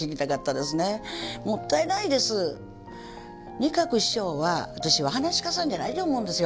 仁鶴師匠は私ははなし家さんじゃないと思うんですよ。